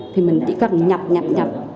thì mình chỉ cần nhập nhập nhập